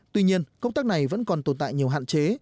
tuy nhiên công tác này vẫn còn tồn tại nhiều hạn chế